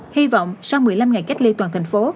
hy vọng sau một mươi năm ngày cách ly toàn thành phố